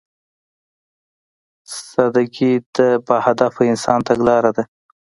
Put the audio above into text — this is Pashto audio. سادهګي د باهدفه انسان تګلاره ده.